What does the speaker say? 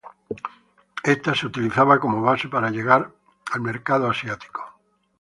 Esta se utilizaba como base para llegar al mercado asiático.